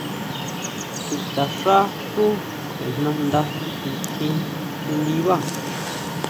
Chutaxá xú sʼejnanda nitjín xi ndibá.